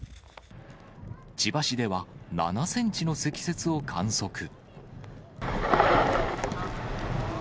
千葉市では７センチの積雪を観測。